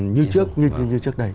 như trước đây